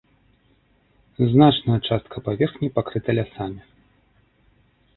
Значная частка паверхні пакрыта лясамі.